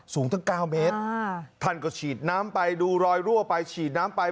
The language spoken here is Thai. สูงตั้ง๙เมตรท่านก็ฉีดน้ำไปดูรอยรั่วไปฉีดน้ำไป